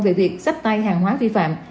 về việc sách tay hàng hóa vi phạm